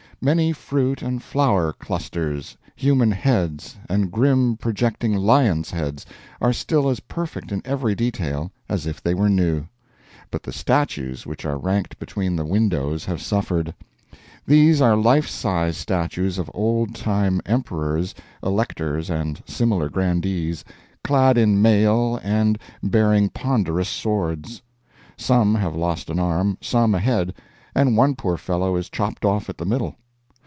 Many fruit and flower clusters, human heads and grim projecting lions' heads are still as perfect in every detail as if they were new. But the statues which are ranked between the windows have suffered. These are life size statues of old time emperors, electors, and similar grandees, clad in mail and bearing ponderous swords. Some have lost an arm, some a head, and one poor fellow is chopped off at the middle.